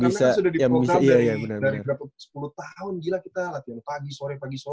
karena sudah diprogram dari berapa puluh tahun gila kita latihan pagi sore pagi sore